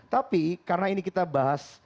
tapi karena ini kita bahas